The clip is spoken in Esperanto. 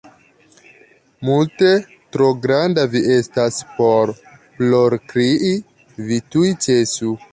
Multe tro granda vi estas por plorkrii, vi tuj ĉesu!